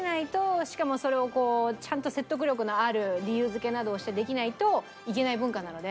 しかもそれをちゃんと説得力のある理由付けなどをしてできないといけない文化なので。